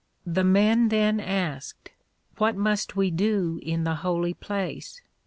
The men then asked, What must we do in the holy place?